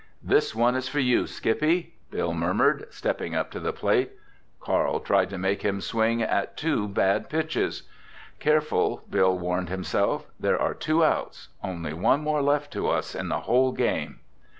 "This one is for you, Skippy," Bill murmured, stepping up to the plate. Carl tried to make him swing on two bad pitches. "Careful," Bill warned himself. "There are two outs—only one more left to us in the whole game!"